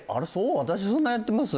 私そんなやってます？